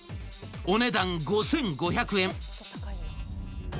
お値段、５５００円。